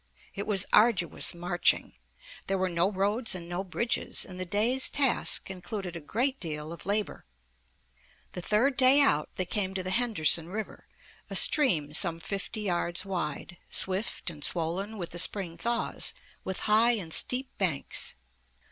It was arduous marching. There were no roads and no bridges, and the day's task included a great deal of labor. The third day out they came to the Henderson River, a stream some fifty yards wide, swift and swollen with the spring thaws, with high and steep banks.